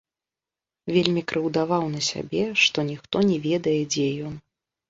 Вельмі крыўдаваў на сябе, што ніхто не ведае, дзе ён.